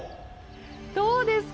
どうですか？